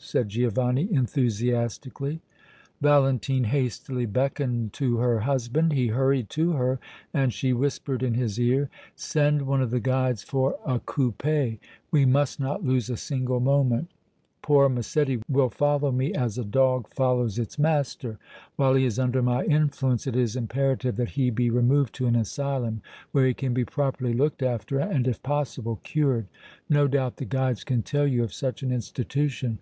said Giovanni, enthusiastically. Valentine hastily beckoned to her husband; he hurried to her and she whispered in his ear: "Send one of the guides for a coupé. We must not lose a single moment. Poor Massetti will follow me as a dog follows its master! While he is under my influence it is imperative that he be removed to an asylum where he can be properly looked after and if possible cured. No doubt the guides can tell you of such an institution.